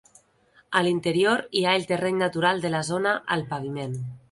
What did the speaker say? A l'interior hi ha el terreny natural de la zona al paviment.